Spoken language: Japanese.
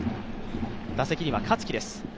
打席には香月です。